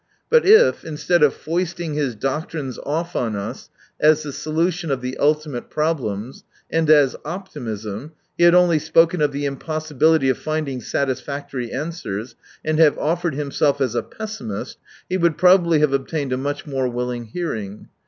But if, instead of foisting his doctrines off on us as the solution of the ultimate problemsj and as optimism, he had only spoken of the impossibility of finding satisfactory answers, and have offered himself as a pessimist, he would probably have obtained a much more willing hearing.